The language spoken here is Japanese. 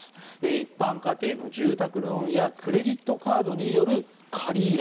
一般家庭の住宅ローンやクレジットカードによる借り入れ